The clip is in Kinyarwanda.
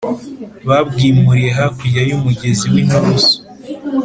babwimuriye hakurya y’umugezi w’inturusu.